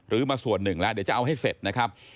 มาส่วนหนึ่งแล้วเดี๋ยวจะเอาให้เสร็จนะครับ